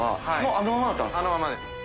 あのままです。